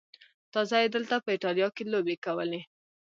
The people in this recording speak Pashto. تازه یې دلته په ایټالیا کې لوبې کولې.